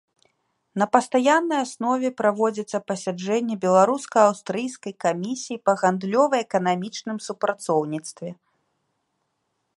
На пастаяннай аснове праводзяцца пасяджэнні беларуска-аўстрыйскай камісіі па гандлёва-эканамічным супрацоўніцтве.